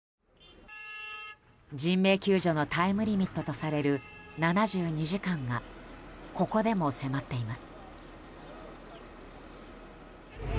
人命救助のタイムリミットとされる７２時間がここでも迫っています。